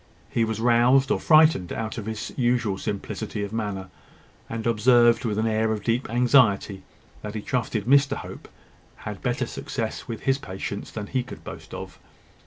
He was roused or frightened out of his usual simplicity of manner, and observed, with an air of deep anxiety, that he trusted Mr Hope had better success with his patients than he could boast of.